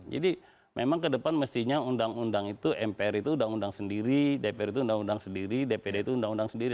jadi memang ke depan mestinya undang undang itu mpr itu undang undang sendiri dpr itu undang undang sendiri dpd itu undang undang sendiri